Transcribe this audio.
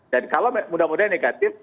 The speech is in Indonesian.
dan kalau mudah mudahan negatif